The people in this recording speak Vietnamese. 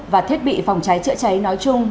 và thiết bị phòng cháy chữa cháy nói chung